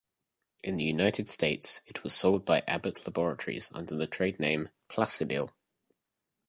In the United States it was sold by Abbott Laboratories under the tradename Placidyl.